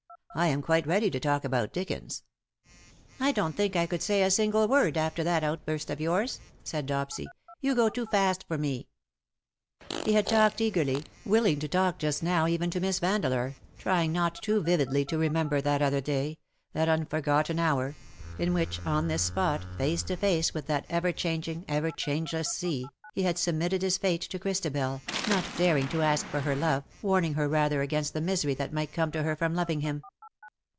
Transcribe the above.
I am quite ready to talk about Dickens.'' " I don't think I could say a single word after that outburst of yours/' said Dopsy; "you go too fast for me." He had talked eagerly, willing to talk just now even to Miss Vandeleur_, trying not too vividly ta remember that other day — that unforgotten hour — in which_, on this spot, face to face with that ever changing, ever changeless sea, he had submitted his fate to Christabel, not daring to ask for her love, warning her rather against the misery that might come to her from loving him.